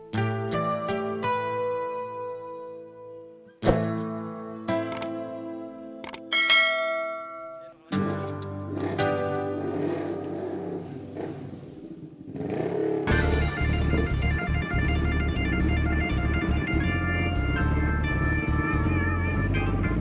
ternyata sudah tunangan